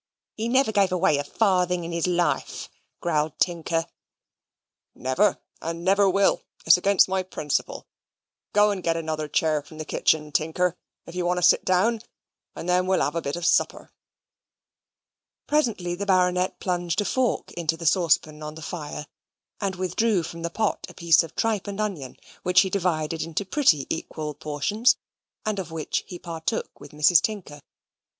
"He never gave away a farthing in his life," growled Tinker. "Never, and never will: it's against my principle. Go and get another chair from the kitchen, Tinker, if you want to sit down; and then we'll have a bit of supper." Presently the baronet plunged a fork into the saucepan on the fire, and withdrew from the pot a piece of tripe and an onion, which he divided into pretty equal portions, and of which he partook with Mrs. Tinker.